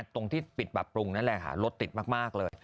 ตรงที่ปิดปรับปรุงนั่นแหละค่ะรถติดมากเลย